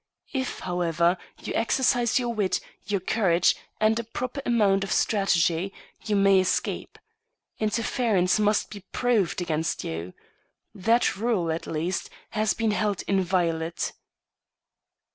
If, however, you exercise your wit, your courage, and a proper amount of strategy, you may escape. Interference must be proved against you. That rule, at least, has been held inviolate."